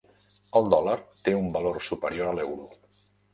El dòlar té un valor superior a l'euro.